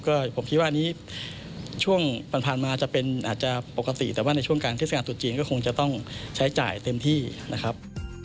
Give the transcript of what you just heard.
ก็ผมคิดว่าอันนี้ช่วงผ่านมาจะเป็นอาจจะปกติแต่ว่าในช่วงการเทศกาลตรุษจีนก็คงจะต้องใช้จ่ายเต็มที่นะครับ